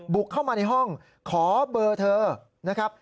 บุกเข้ามาในห้องขอเบอร์เธอนะครับ